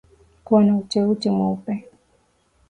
Kuwa na uteute mweupe